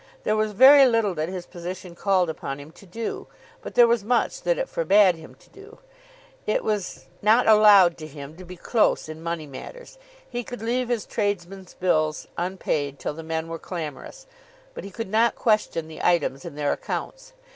There was very little that his position called upon him to do, but there was much that it forbad him to do. It was not allowed to him to be close in money matters. He could leave his tradesmen's bills unpaid till the men were clamorous, but he could not question the items in their accounts.